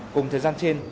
cùng thời gian trên